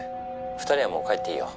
２人はもう帰っていいよ。